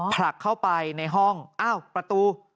ผลักเข้าไปในห้องอ้าวประตู